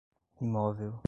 imóvel